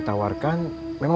gimana buat makan